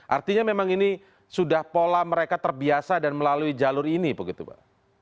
artinya memang ini sudah pola mereka terbiasa dan melalui jalur ini begitu pak